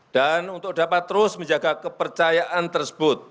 dan untuk dapat terus menjaga kepercayaan tersebut